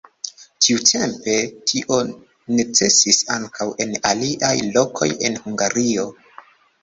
Tiutempe tio necesis ankaŭ en aliaj lokoj en Hungario.